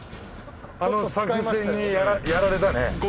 あの作戦にやられたね。